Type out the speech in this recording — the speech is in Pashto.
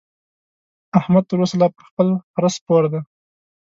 احمد تر اوسه لا پر خپل خره سپور دی.